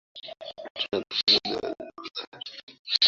উত্তম পুষ্টিকর খাদ্য কি করিতে পারে, জাপান তাহার নিদর্শন।